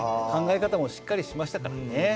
考え方もしっかりしましたからね。